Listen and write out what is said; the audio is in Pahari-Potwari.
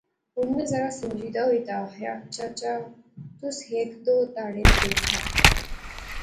ہن میں ذرا سنجیدہ ہوئی تہ آخیا، چچا۔۔۔ تس ہیک دو تہاڑے دیکھا